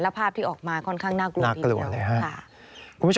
และภาพที่ออกมาค่อนข้างน่ากลวงดีกว่าค่ะ